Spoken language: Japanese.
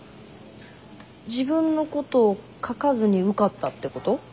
自分のことを書かずに受かったってこと？